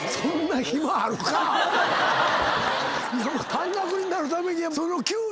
半額になるためにはその。